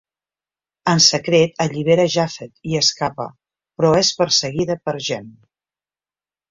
En secret allibera Japhett i escapa, però és perseguida per Jem.